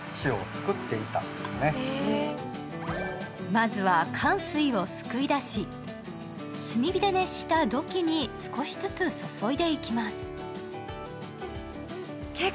まずは、かん水をすくいだし、炭火で熱した土器に少しずつ注いでいきます。